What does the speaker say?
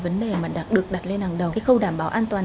vui tươi lành mạnh an toàn